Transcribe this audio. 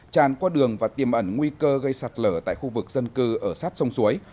tràn qua đường và tiêm ẩn nguy cơ gây sạt lở tại khu vực dân cư ở sát sông suối